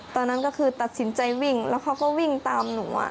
ตอนนั้นก็คือตัดสินใจวิ่งแล้วเขาก็วิ่งตามหนู